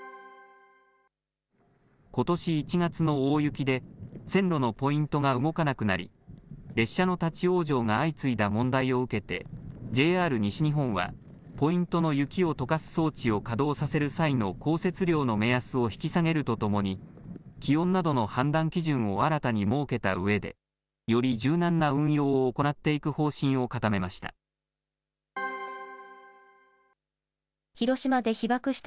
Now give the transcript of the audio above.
ことし１月の大雪で、線路のポイントが動かなくなり、列車の立往生が相次いだ問題を受けて、ＪＲ西日本は、ポイントの雪をとかす装置を稼働させる際の降雪量の目安を引き下げるとともに、気温などの判断基準を新たに設けたうえで、より柔軟な運用を行っていく方針を固めました。